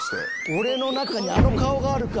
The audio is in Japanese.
俺の中にあの顔があるか。